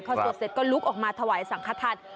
พอสวดเสร็จก็ลุกออกมาถวายสังขทาน